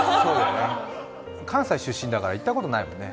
関西出身だから行ったことないよね。